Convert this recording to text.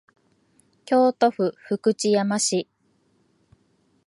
京都府福知山市